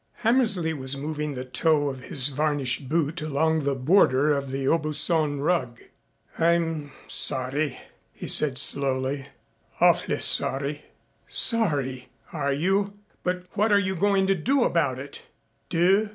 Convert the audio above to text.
Hammersley was moving the toe of his varnished boot along the border of the Aubusson rug. "I'm sorry," he said slowly. "Awf'ly sorry." "Sorry! Are you? But what are you going to do about it?" "Do?"